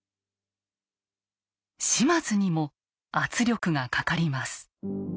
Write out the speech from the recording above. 島津にも圧力がかかります。